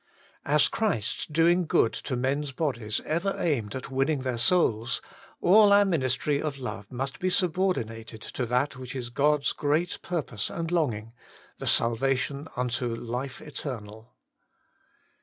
As Christ's doing good to men's bodies ever aimed at winning their souls, all our ministry of love must be subordi nated to that which is God's great purpose and longing — the salvation unto life eter nal.